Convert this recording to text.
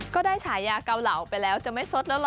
ฉายาเกาเหลาไปแล้วจะไม่สดแล้วเหรอ